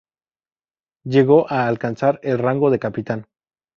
Llegó a alcanzar el rango de capitán.